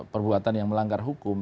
perbuatan yang melanggar hukum